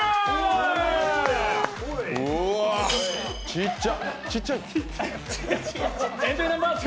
ちっちゃ。